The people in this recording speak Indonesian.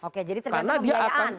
oke jadi terdapat kebiayaan